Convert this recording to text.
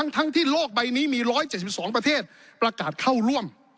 ทั้งที่โลกใบนี้มี๑๗๒ประเทศประกาศเข้าร่วม